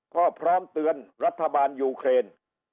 ก็พร้อมเตือนรัฐบาลยูเครน